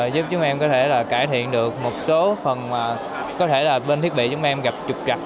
giúp chúng em có thể là cải thiện được một số phần mà có thể là bên thiết bị chúng em gặp trục trặc